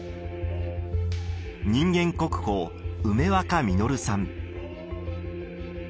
人間国宝梅若実さん。